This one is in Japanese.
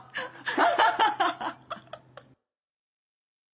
ハハハハ！